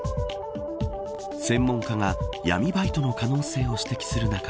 専門家が闇バイトの可能性を指摘する中